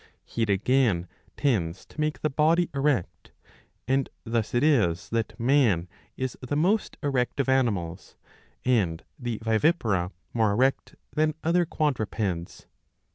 Heat again tends to make the body erect ; and thus it is that man is the most erect of animals, and the vivipara more erect than other quadrupeds.